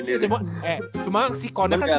eh cuma si kondek kan